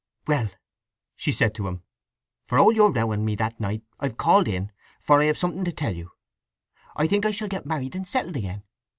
"Well," she said to him, "for all your rowing me that night, I've called in, for I have something to tell you. I think I shall get married and settled again.